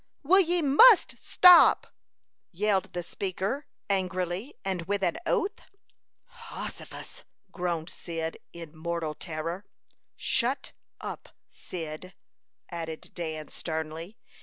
"Well, ye must stop!" yelled the speaker, angrily, and with an oath. "Hossifus!" groaned Cyd, in mortal terror. "Shut up, Cyd," added Dan, sternly.